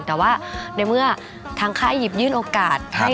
แต่ว่าในเมื่อทางค่ายอียิปต์ยื่นโอกาส